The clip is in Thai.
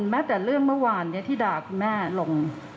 แม้แต่เรื่องเมื่อวานที่ด่าคุณแม่ลง